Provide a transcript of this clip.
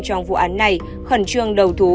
trong vụ án này khẩn trương đầu thú